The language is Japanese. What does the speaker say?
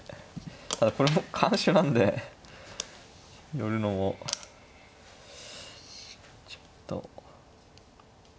ただこれも緩手なんで寄るのもちょっと。